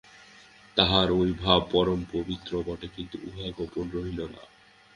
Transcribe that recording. তাহার ঐ ভাব পরম পবিত্র বটে, কিন্তু উহা গোপন রহিল না।